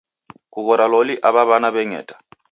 Kughora loli awa wana weng'eta.